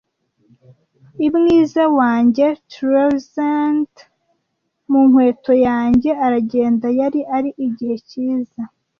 I mwiza wa yanjye trouser -ends mu nkweto yanje, aragenda yari ari igihe cyiza;